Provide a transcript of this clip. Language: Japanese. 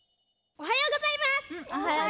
おはようございます。